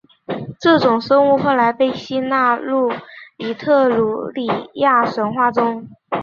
这种生物后来被吸纳入伊特鲁里亚神话中。